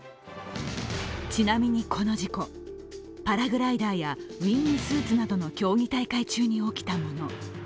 ちなみにこの事故パラグライダーやウイングスーツなどの競技大会中に起きたもの。